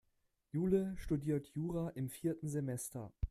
Jule studiert Jura im vierten Semester.